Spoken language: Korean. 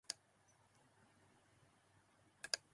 덕호가 전날을 미루어서 자기가 자지 않을 것을 뻔히 알 것이다.